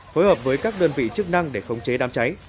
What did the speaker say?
phối hợp với các đơn vị chức năng để khống chế đám cháy